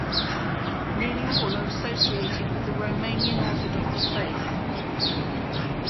Nearly all are associated with the Romanian Orthodox faith.